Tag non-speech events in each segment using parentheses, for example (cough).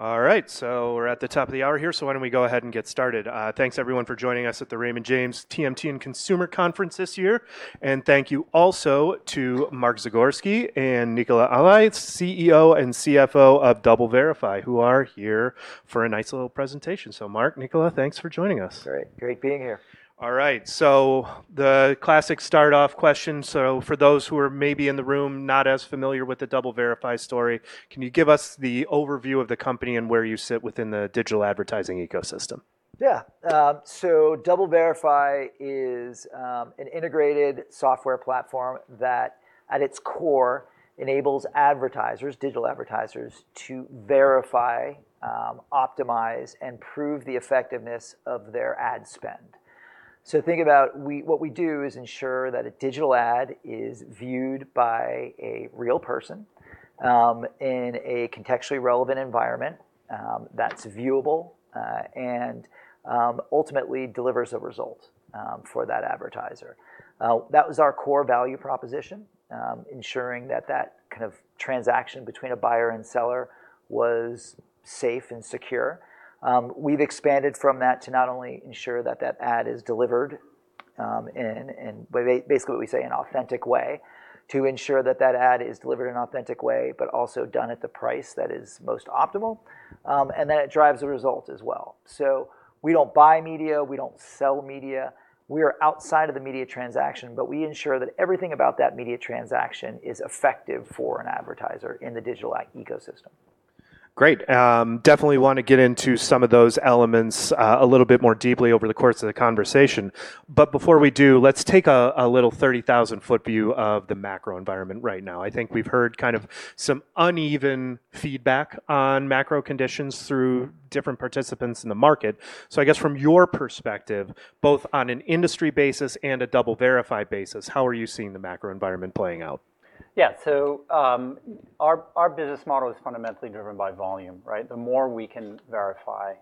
All right, so we're at the top of the hour here, so why don't we go ahead and get started. Thanks, everyone, for joining us at the Raymond James TMT and Consumer Conference this year, and thank you also to Mark Zagorski and Nicola Allais, CEO and CFO of DoubleVerify, who are here for a nice little presentation, so Mark, Nicola, thanks for joining us. Great. Great being here. All right, so the classic start-off question. So for those who are maybe in the room not as familiar with the DoubleVerify story, can you give us the overview of the company and where you sit within the digital advertising ecosystem? Yeah, so DoubleVerify is an integrated software platform that, at its core, enables advertisers, digital advertisers, to verify, optimize, and prove the effectiveness of their ad spend. So think about what we do is ensure that a digital ad is viewed by a real person in a contextually relevant environment that's viewable and ultimately delivers a result for that advertiser. That was our core value proposition, ensuring that that kind of transaction between a buyer and seller was safe and secure. We've expanded from that to not only ensure that that ad is delivered in, basically, what we say, an authentic way, but also done at the price that is most optimal, and that it drives a result as well. So we don't buy media, we don't sell media, we are outside of the media transaction, but we ensure that everything about that media transaction is effective for an advertiser in the digital ecosystem. Great. Definitely want to get into some of those elements a little bit more deeply over the course of the conversation. But before we do, let's take a little 30,000-foot view of the macro environment right now. I think we've heard kind of some uneven feedback on macro conditions through different participants in the market. So I guess from your perspective, both on an industry basis and a DoubleVerify basis, how are you seeing the macro environment playing out? Yeah, so our business model is fundamentally driven by volume, right? The more we can verify,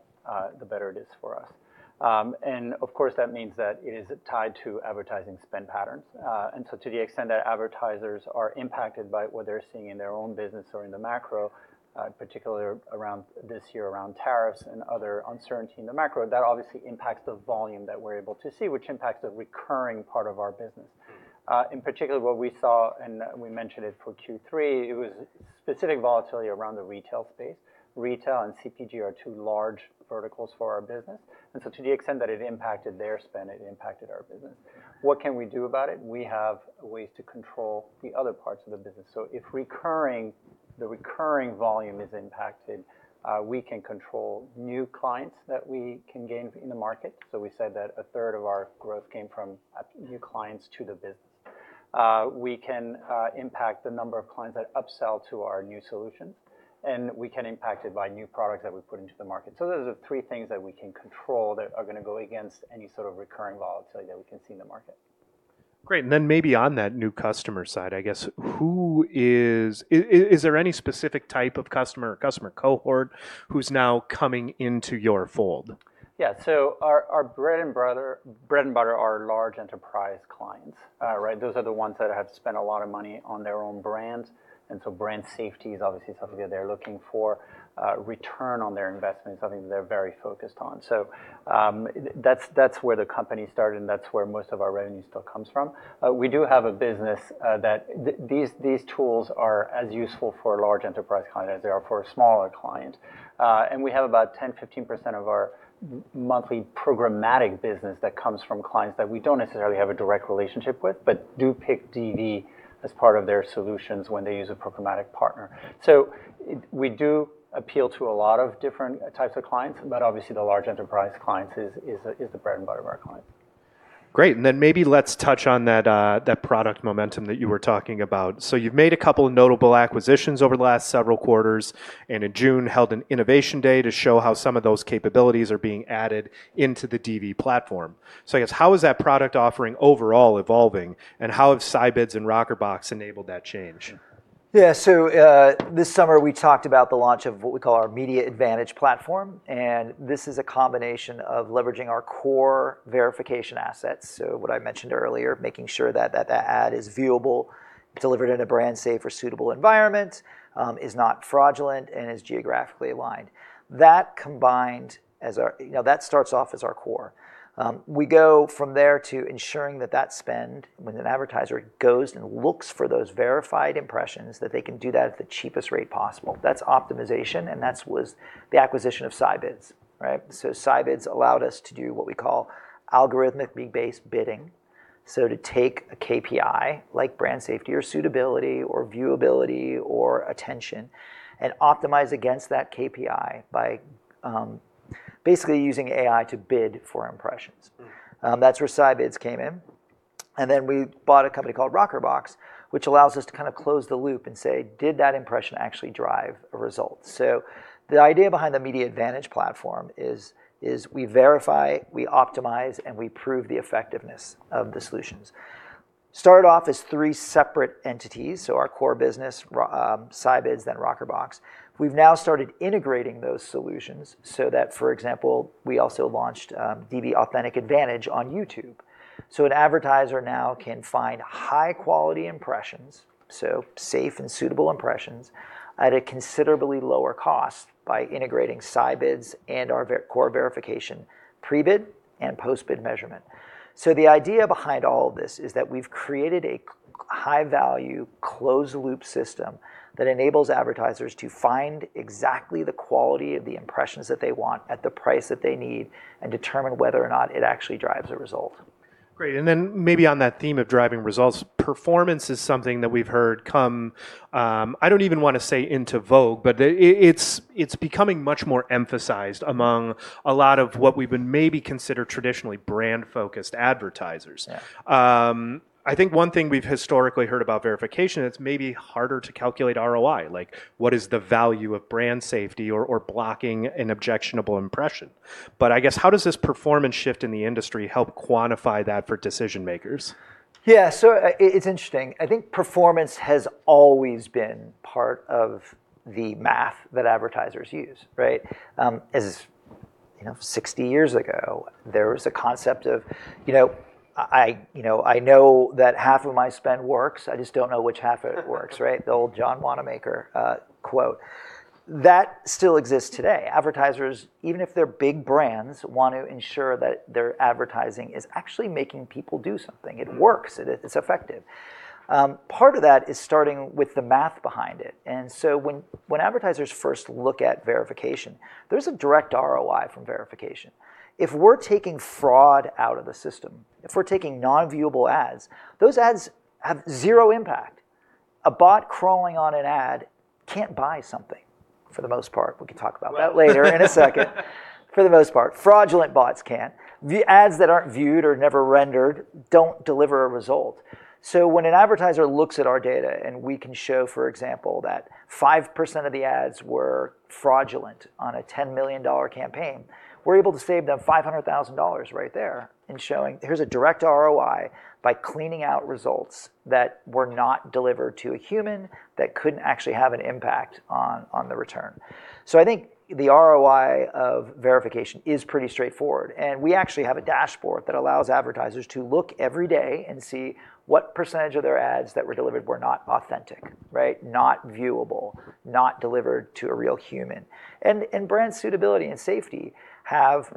the better it is for us. And of course, that means that it is tied to advertising spend patterns. And so to the extent that advertisers are impacted by what they're seeing in their own business or in the macro, particularly around this year around tariffs and other uncertainty in the macro, that obviously impacts the volume that we're able to see, which impacts the recurring part of our business. In particular, what we saw, and we mentioned it for Q3, it was specific volatility around the retail space. Retail and CPG are two large verticals for our business. And so to the extent that it impacted their spend, it impacted our business. What can we do about it? We have ways to control the other parts of the business. So if the recurring volume is impacted, we can control new clients that we can gain in the market. So we said that of our growth came from new clients to the business. We can impact the number of clients that upsell to our new solutions. And we can impact it by new products that we put into the market. So those are the three things that we can control that are going to go against any sort of recurring volatility that we can see in the market. Great. And then maybe on that new customer side, I guess, is there any specific type of customer or customer cohort who's now coming into your fold? Yeah, so our bread and butter are large enterprise clients, right? Those are the ones that have spent a lot of money on their own brands. And so brand safety is obviously something that they're looking for. Return on their investment is something that they're very focused on. So that's where the company started, and that's where most of our revenue still comes from. We do have a business that these tools are as useful for large enterprise clients as they are for smaller clients. And we have about 10%-15% of our monthly programmatic business that comes from clients that we don't necessarily have a direct relationship with, but do pick DV as part of their solutions when they use a programmatic partner. So we do appeal to a lot of different types of clients, but obviously the large enterprise clients is the bread and butter of our clients. Great. And then maybe let's touch on that product momentum that you were talking about. So you've made a couple of notable acquisitions over the last several quarters, and in June held an Innovation day to show how some of those capabilities are being added into the DV platform. So I guess, how is that product offering overall evolving, and how have Scibids and Rockerbox enabled that change? Yeah, so this summer we talked about the launch of what we call our Media Advantage Platform. And this is a combination of leveraging our core verification assets, so what I mentioned earlier, making sure that that ad is viewable, delivered in a brand-safe or suitable environment, is not fraudulent, and is geographically aligned. That combined, that starts off as our core. We go from there to ensuring that that spend, when an advertiser goes and looks for those verified impressions, that they can do that at the cheapest rate possible. That's optimization, and that was the acquisition of Scibids, right? So Scibids allowed us to do what we call algorithmic-based bidding. So to take a KPI like brand safety or suitability or viewability or attention and optimize against that KPI by basically using AI to bid for impressions. That's where Scibids came in. Then we bought a company called Rockerbox, which allows us to kind of close the loop and say, did that impression actually drive a result? The idea behind the Media Advantage Platform is we verify, we optimize, and we prove the effectiveness of the solutions. Started off as three separate entities, so our core business, Scibids, then Rockerbox. We've now started integrating those solutions so that, for example, we also launched DV Authentic AdVantage on YouTube. An advertiser now can find high-quality impressions, so safe and suitable impressions, at a considerably lower cost by integrating Scibids and our core verification pre-bid and post-bid measurement. The idea behind all of this is that we've created a high-value closed-loop system that enables advertisers to find exactly the quality of the impressions that they want at the price that they need and determine whether or not it actually drives a result. Great. And then maybe on that theme of driving results, performance is something that we've heard come, I don't even want to say into vogue, but it's becoming much more emphasized among a lot of what we would maybe consider traditionally brand-focused advertisers. I think one thing we've historically heard about verification, it's maybe harder to calculate ROI, like what is the value of brand safety or blocking an objectionable impression. But I guess, how does this performance shift in the industry help quantify that for decision-makers? Yeah, so it's interesting. I think performance has always been part of the math that advertisers use, right? As 60 years ago, there was a concept of, you know, I know that half of my spend works, I just don't know which half of it works, right? The old John Wanamaker quote. That still exists today. Advertisers, even if they're big brands, want to ensure that their advertising is actually making people do something. It works. It's effective. Part of that is starting with the math behind it. And so when advertisers first look at verification, there's a direct ROI from verification. If we're taking fraud out of the system, if we're taking non-viewable ads, those ads have zero impact. A bot crawling on an ad can't buy something for the most part. We can talk about that later in a second. For the most part, fraudulent bots can't. The ads that aren't viewed or never rendered don't deliver a result, so when an advertiser looks at our data and we can show, for example, that 5% of the ads were fraudulent on a $10 million campaign, we're able to save them $500,000 right there in showing here's a direct ROI by cleaning out results that were not delivered to a human that couldn't actually have an impact on the return, so I think the ROI of verification is pretty straightforward, and we actually have a dashboard that allows advertisers to look every day and see what percentage of their ads that were delivered were not authentic, right? Not viewable, not delivered to a real human, and brand suitability and safety have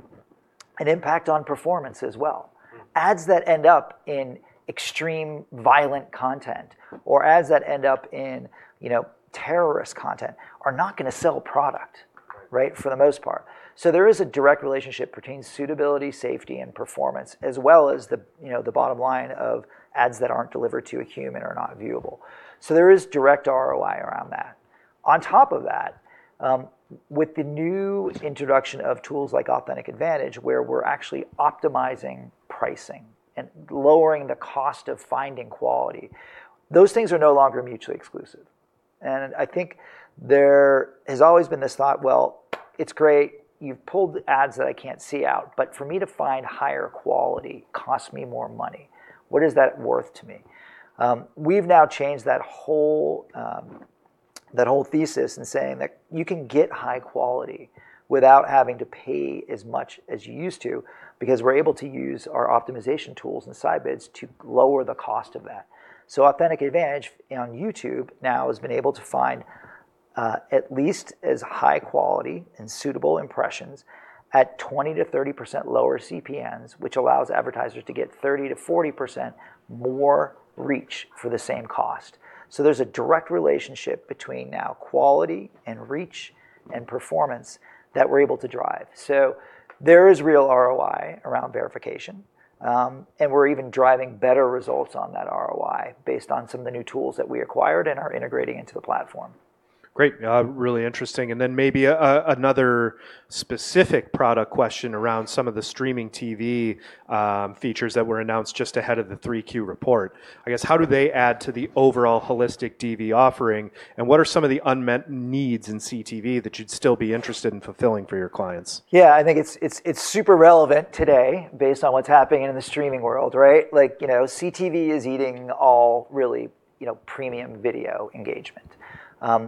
an impact on performance as well. Ads that end up in extreme violent content or ads that end up in terrorist content are not going to sell product, right, for the most part. So there is a direct relationship between suitability, safety, and performance, as well as the bottom line of ads that aren't delivered to a human or not viewable. So there is direct ROI around that. On top of that, with the new introduction of tools like Authentic AdVantage, where we're actually optimizing pricing and lowering the cost of finding quality, those things are no longer mutually exclusive. And I think there has always been this thought, well, it's great, you've pulled ads that I can't see out, but for me to find higher quality costs me more money. What is that worth to me? We've now changed that whole thesis in saying that you can get high quality without having to pay as much as you used to because we're able to use our optimization tools and Scibids to lower the cost of that. So Authentic AdVantage on YouTube now has been able to find at least as high quality and suitable impressions at 20%-30% lower CPMs, which allows advertisers to get 30%-40% more reach for the same cost. So there's a direct relationship between now quality and reach and performance that we're able to drive. So there is real ROI around verification. And we're even driving better results on that ROI based on some of the new tools that we acquired and are integrating into the platform. Great. Really interesting. And then maybe another specific product question around some of the streaming TV features that were announced just ahead of the 3Q report. I guess, how do they add to the overall holistic DV offering? And what are some of the unmet needs in CTV that you'd still be interested in fulfilling for your clients? Yeah, I think it's super relevant today based on what's happening in the streaming world, right? Like CTV is eating all really premium video engagement.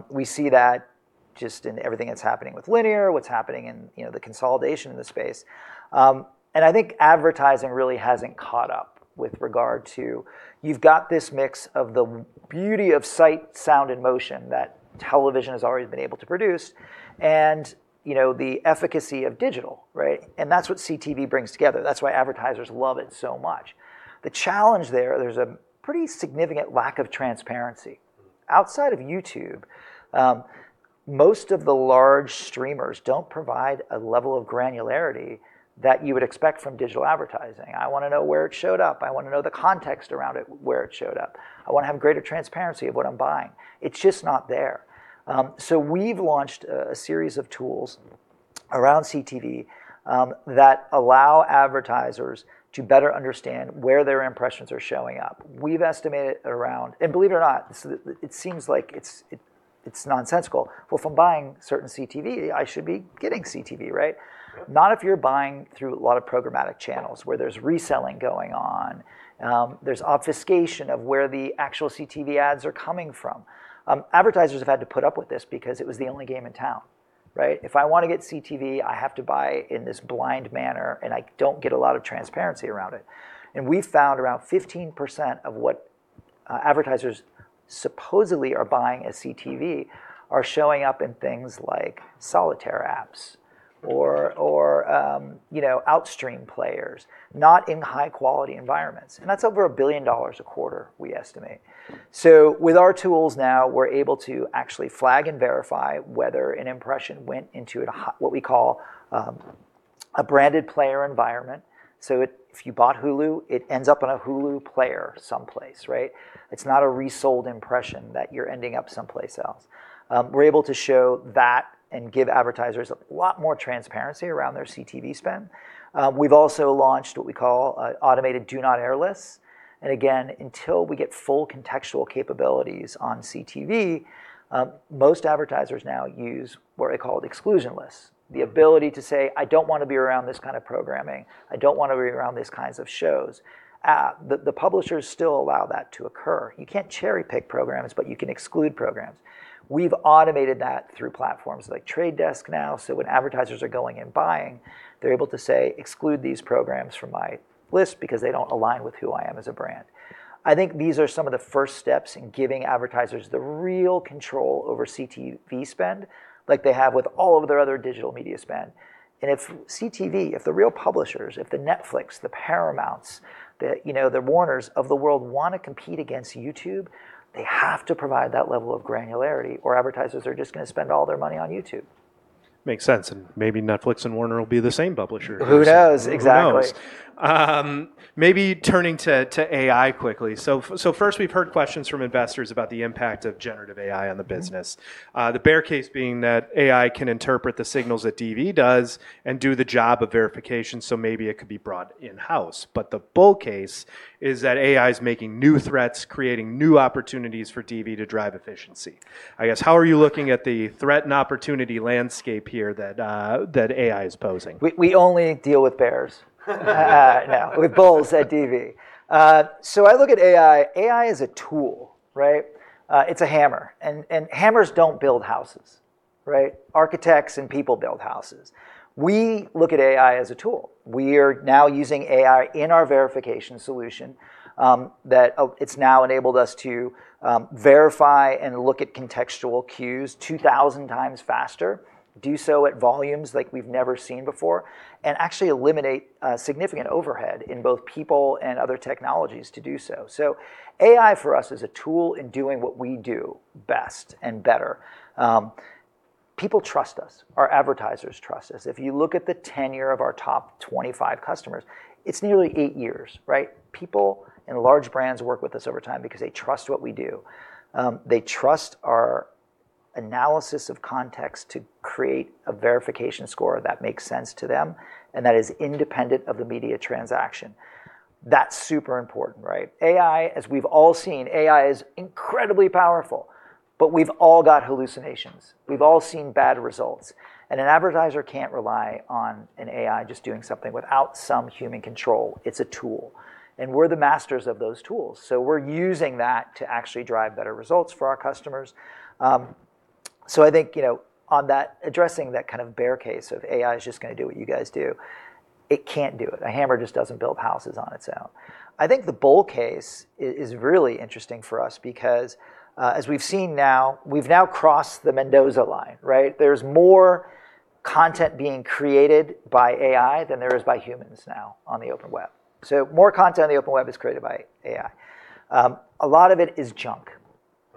We see that just in everything that's happening with linear, what's happening in the consolidation in the space. And I think advertising really hasn't caught up with regard to you've got this mix of the beauty of sight, sound, and motion that television has already been able to produce and the efficacy of digital, right? And that's what CTV brings together. That's why advertisers love it so much. The challenge there, there's a pretty significant lack of transparency. Outside of YouTube, most of the large streamers don't provide a level of granularity that you would expect from digital advertising. I want to know where it showed up. I want to know the context around it, where it showed up. I want to have greater transparency of what I'm buying. It's just not there. So we've launched a series of tools around CTV that allow advertisers to better understand where their impressions are showing up. We've estimated around, and believe it or not, it seems like it's nonsensical. If I'm buying certain CTV, I should be getting CTV, right? Not if you're buying through a lot of programmatic channels where there's reselling going on. There's obfuscation of where the actual CTV ads are coming from. Advertisers have had to put up with this because it was the only game in town, right? If I want to get CTV, I have to buy in this blind manner, and I don't get a lot of transparency around it. We've found around 15% of what advertisers supposedly are buying as CTV are showing up in things like solitaire apps or outstream players, not in high-quality environments. That's over $1 billion a quarter, we estimate. With our tools now, we're able to actually flag and verify whether an impression went into what we call a branded player environment. If you bought Hulu, it ends up on a Hulu player someplace, right? It's not a resold impression that you're ending up someplace else. We're able to show that and give advertisers a lot more transparency around their CTV spend. We've also launched what we call automated Do Not-air lists. Again, until we get full contextual capabilities on CTV, most advertisers now use what are called exclusion lists. The ability to say, I don't want to be around this kind of programming. I don't want to be around these kinds of shows. The publishers still allow that to occur. You can't cherry-pick programs, but you can exclude programs. We've automated that through platforms like Trade Desk now. So when advertisers are going and buying, they're able to say, exclude these programs from my list because they don't align with who I am as a brand. I think these are some of the first steps in giving advertisers the real control over CTV spend like they have with all of their other digital media spend. And if CTV, if the real publishers, if the Netflix, the Paramounts, the Warners of the world want to compete against YouTube, they have to provide that level of granularity or advertisers are just going to spend all their money on YouTube. Makes sense. And maybe Netflix and Warners will be the same publisher. Who knows? Exactly. Maybe turning to AI quickly. So first, we've heard questions from investors about the impact of generative AI on the business. The bear case being that AI can interpret the signals that DV does and do the job of verification, so maybe it could be brought in-house. But the bull case is that AI is making new threats, creating new opportunities for DV to drive efficiency. I guess, how are you looking at the threat and opportunity landscape here that AI is posing? We only deal with bears now, with bulls at DV. So I look at AI. AI is a tool, right? It's a hammer. And hammers don't build houses, right? Architects and people build houses. We look at AI as a tool. We are now using AI in our verification solution that it's now enabled us to verify and look at contextual cues 2,000x faster, do so at volumes like we've never seen before, and actually eliminate significant overhead in both people and other technologies to do so. So AI for us is a tool in doing what we do best and better. People trust us. Our advertisers trust us. If you look at the tenure of our top 25 customers, it's nearly eight years, right? People and large brands work with us over time because they trust what we do. They trust our analysis of context to create a verification score that makes sense to them and that is independent of the media transaction. That's super important, right? AI, as we've all seen, AI is incredibly powerful, but we've all got hallucinations. We've all seen bad results. And an advertiser can't rely on an AI just doing something without some human control. It's a tool. And we're the masters of those tools. So we're using that to actually drive better results for our customers. So I think on that, addressing that kind of bear case of AI is just going to do what you guys do, it can't do it. A hammer just doesn't build houses on its own. I think the bull case is really interesting for us because as we've seen now, we've now crossed the Mendoza Line, right? There's more content being created by AI than there is by humans now on the open web, so more content on the open web is created by AI. A lot of it is junk,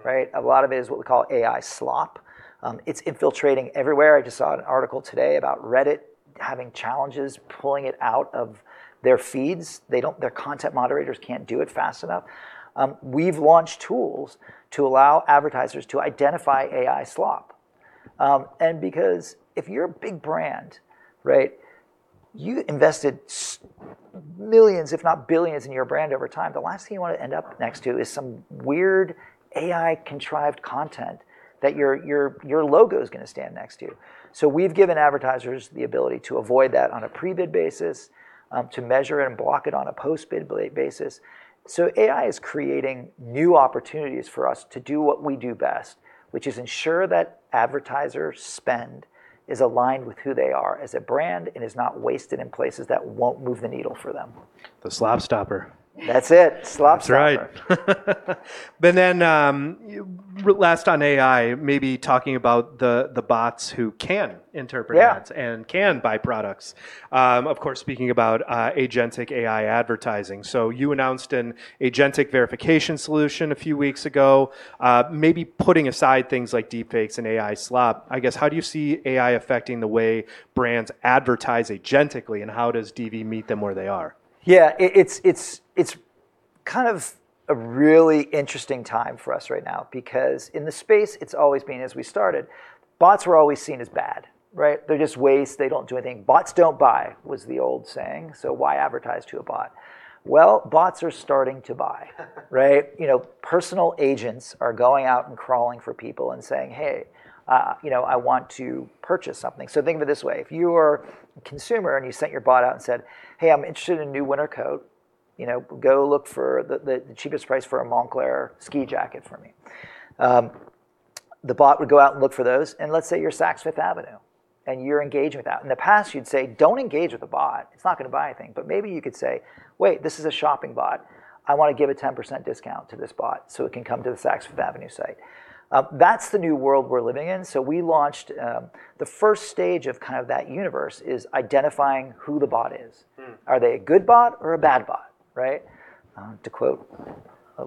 right? A lot of it is what we call AI slop. It's infiltrating everywhere. I just saw an article today about Reddit having challenges pulling it out of their feeds. Their content moderators can't do it fast enough. We've launched tools to allow advertisers to identify AI slop, and because if you're a big brand, right, you invested millions, if not billions, in your brand over time. The last thing you want to end up next to is some weird AI-contrived content that your logo is going to stand next to, so we've given advertisers the ability to avoid that on a pre-bid basis, to measure it and block it on a post-bid basis. So AI is creating new opportunities for us to do what we do best, which is ensure that advertiser spend is aligned with who they are as a brand and is not wasted in places that won't move the needle for them. The SlopStopper. That's it. SlopStopper. That's right. But then, last on AI, maybe talking about the bots who can interpret ads and can buy products. Of course, speaking about agentic AI advertising. So you announced an agentic verification solution a few weeks ago, maybe putting aside things like deepfakes and AI slop. I guess, how do you see AI affecting the way brands advertise agentically and how does DV meet them where they are? Yeah, it's kind of a really interesting time for us right now because in the space, it's always been, as we started, bots were always seen as bad, right? They're just waste. They don't do anything. Bots don't buy, was the old saying. So why advertise to a bot? Well, bots are starting to buy, right? Personal agents are going out and crawling for people and saying, "Hey, I want to purchase something." So think of it this way. If you were a consumer and you sent your bot out and said, "Hey, I'm interested in a new winter coat. Go look for the cheapest price for a Moncler ski jacket for me." The bot would go out and look for those. And let's say you're at Saks Fifth Avenue without it and you're engaging with that. In the past, you'd say, "Don't engage with the bot. It's not going to buy anything," but maybe you could say, "Wait, this is a shopping bot. I want to give a 10% discount to this bot so it can come to the Saks Avenue and say," That's the new world we're living in, so we launched the first stage of kind of that universe is identifying who the bot is. Are they a good bot or a bad bot, right? To quote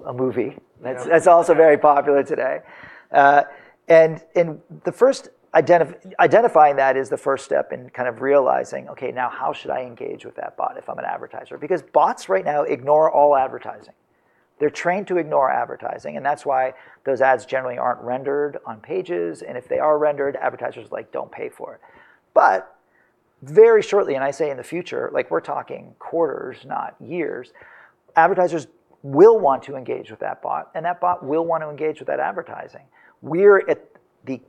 a movie, that's also very popular today, and identifying that is the first step in kind of realizing, "Okay, now how should I engage with that bot if I'm an advertiser?" Because bots right now ignore all advertising. They're trained to ignore advertising. And that's why those ads generally aren't rendered on pages. If they are rendered, advertisers are like, "Don't pay for it." Very shortly, and I say in the future, like we're talking quarters, not years, advertisers will want to engage with that bot. That bot will want to engage with that advertising. We're at the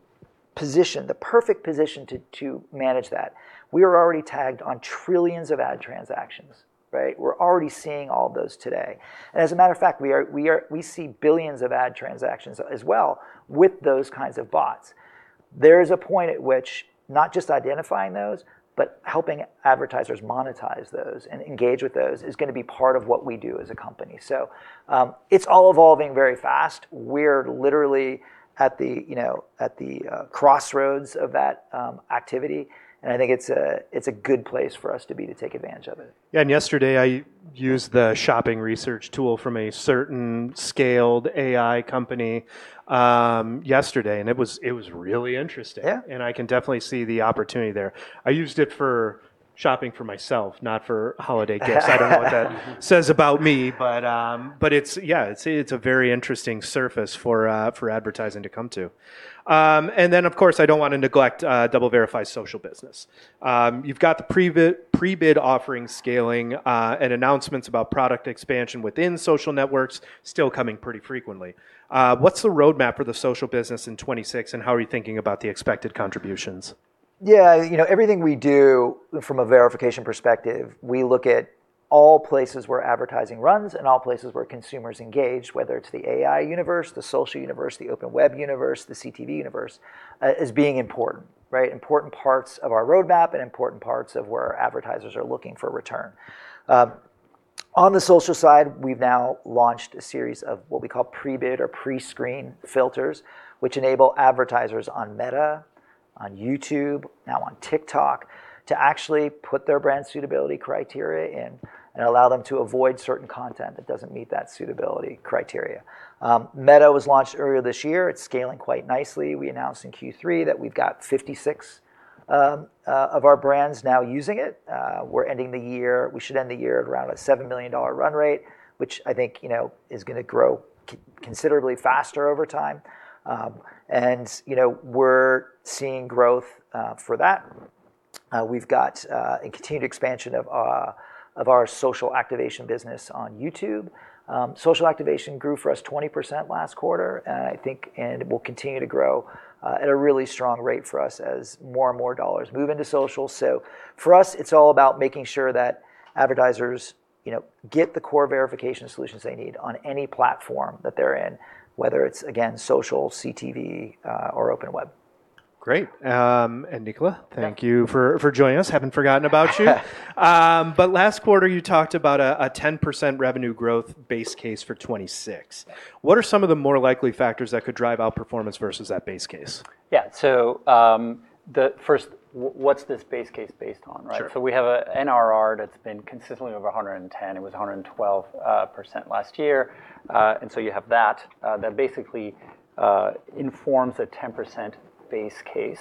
position, the perfect position to manage that. We are already tagged on trillions of ad transactions, right? We're already seeing all of those today. As a matter of fact, we see billions of ad transactions as well with those kinds of bots. There is a point at which not just identifying those, but helping advertisers monetize those and engage with those is going to be part of what we do as a company. It's all evolving very fast. We're literally at the crossroads of that activity. I think it's a good place for us to be to take advantage of it. Yeah. Yesterday, I used the shopping research tool from a certain scaled AI company yesterday, and it was really interesting, and I can definitely see the opportunity there. I used it for shopping for myself, not for holiday gifts. I don't know what that says about me. But yeah, it's a very interesting surface for advertising to come to. Then, of course, I don't want to neglect DoubleVerify's social business. You've got the pre-bid offering scaling and announcements about product expansion within social networks still coming pretty frequently. What's the roadmap for the social business in 2026? How are you thinking about the expected contributions? Yeah, everything we do from a verification perspective, we look at all places where advertising runs and all places where consumers engage, whether it's the AI universe, the social universe, the open web universe, the CTV universe as being important, right? Important parts of our roadmap and important parts of where advertisers are looking for return. On the social side, we've now launched a series of what we call pre-bid or pre-screen filters, which enable advertisers on Meta, on YouTube, now on TikTok, to actually put their brand suitability criteria in and allow them to avoid certain content that doesn't meet that suitability criteria. Meta was launched earlier this year. It's scaling quite nicely. We announced in Q3 that we've got 56 of our brands now using it. We're ending the year. We should end the year at around a $7 million run rate, which I think is going to grow considerably faster over time. And we're seeing growth for that. We've got a continued expansion of our Social Activation business on YouTube. Social Activation grew for us 20% last quarter. And I think it will continue to grow at a really strong rate for us as more and more dollars move into social. So for us, it's all about making sure that advertisers get the core verification solutions they need on any platform that they're in, whether it's, again, social, CTV, or open web. Great. And Nicola, thank you for joining us. Haven't forgotten about you. But last quarter, you talked about a 10% revenue growth base case for 2026. What are some of the more likely factors that could drive outperformance versus that base case? Yeah. So first, what's this base case based on, right? So we have an NRR that's been consistently over 110%. It was 112% last year. And so you have that. That basically informs a 10% base case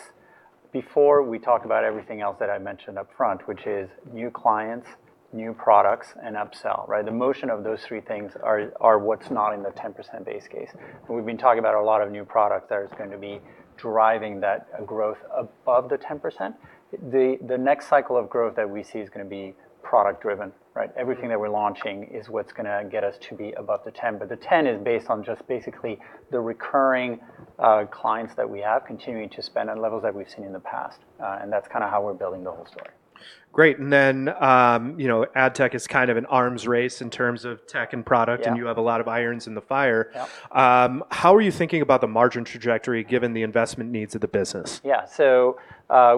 before we talk about everything else that I mentioned upfront, which is new clients, new products, and upsell, right? The motion of those three things are what's not in the 10% base case. And we've been talking about a lot of new products that are going to be driving that growth above the 10%. The next cycle of growth that we see is going to be product-driven, right? Everything that we're launching is what's going to get us to be above the 10%. But the 10% is based on just basically the recurring clients that we have continuing to spend at levels that we've seen in the past. That's kind of how we're building the whole story. Great. And then ad tech is kind of an arms race in terms of tech and product, and you have a lot of irons in the fire. How are you thinking about the margin trajectory given the investment needs of the business? Yeah. So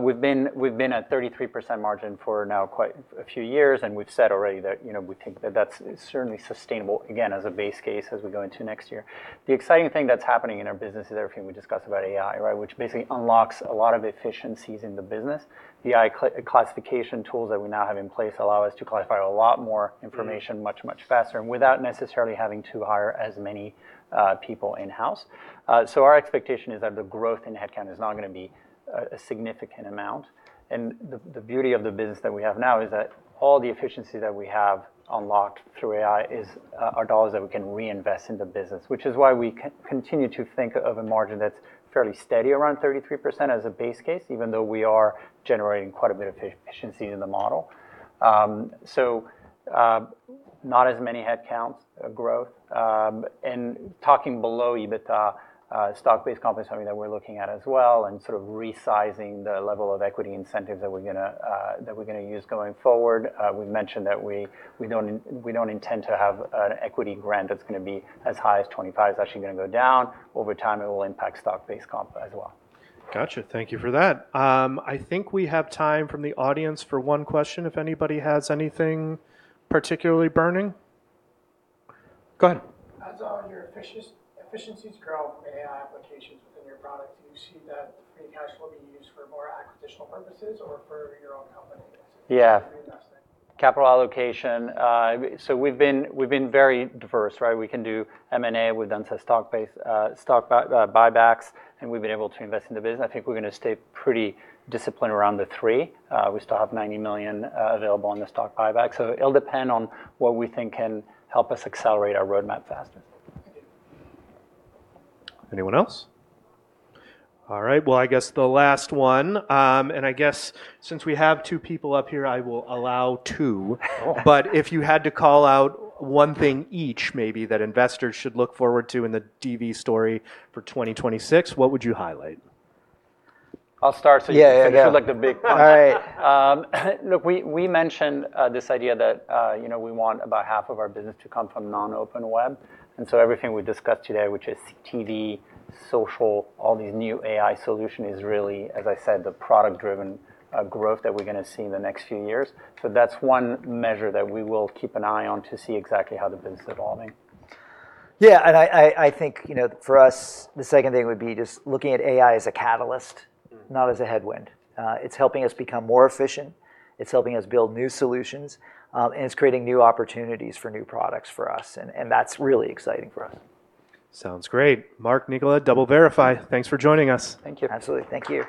we've been at 33% margin for now quite a few years. And we've said already that we think that that's certainly sustainable, again, as a base case as we go into next year. The exciting thing that's happening in our business is everything we discuss about AI, right, which basically unlocks a lot of efficiencies in the business. The AI classification tools that we now have in place allow us to classify a lot more information much, much faster and without necessarily having to hire as many people in-house. So our expectation is that the growth in headcount is not going to be a significant amount. And the beauty of the business that we have now is that all the efficiencies that we have unlocked through AI are dollars that we can reinvest in the business, which is why we continue to think of a margin that's fairly steady around 33% as a base case, even though we are generating quite a bit of efficiency in the model. So not as many headcounts growth. And talking below EBITDA, stock-based comp is something that we're looking at as well and sort of resizing the level of equity incentives that we're going to use going forward. We've mentioned that we don't intend to have an equity grant that's going to be as high as 25. It's actually going to go down. Over time, it will impact stock-based comp as well. Got you. Thank you for that. I think we have time from the audience for one question if anybody has anything particularly burning. Go ahead. As your efficiencies grow with AI applications within your product, do you see that the free cash will be used for more acquisitional purposes or for (audio distortion) Yeah. Capital allocation. So we've been very diverse, right? We can do M&A. We've done some stock buybacks, and we've been able to invest in the business. I think we're going to stay pretty disciplined around the three. We still have $90 million available in the stock buyback. So it'll depend on what we think can help us accelerate our roadmap faster. Anyone else? All right. Well, I guess the last one. And I guess since we have two people up here, I will allow two. But if you had to call out one thing each, maybe, that investors should look forward to in the DV story for 2026, what would you highlight? I'll start so you feel like the big one. All right. Look, we mentioned this idea that we want about half of our business to come from non-open web, and so everything we discussed today, which is TV, social, all these new AI solutions, is really, as I said, the product-driven growth that we're going to see in the next few years, so that's one measure that we will keep an eye on to see exactly how the business is evolving. Yeah. And I think for us, the second thing would be just looking at AI as a catalyst, not as a headwind. It's helping us become more efficient. It's helping us build new solutions. And it's creating new opportunities for new products for us. And that's really exciting for us. Sounds great. Mark, Nicola, DoubleVerify. Thanks for joining us. Thank you. Absolutely. Thank you.